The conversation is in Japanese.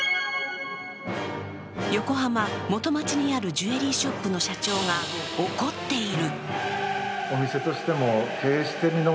横浜・元町にあるジュエリーショップの社長が怒っている。